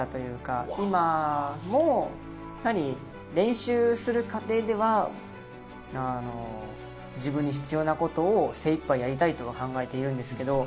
今も練習する過程では自分に必要なことを精いっぱいやりたいとは考えているんですけど。